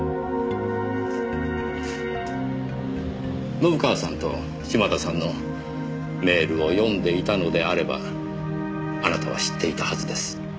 信川さんと島田さんのメールを読んでいたのであればあなたは知っていたはずです。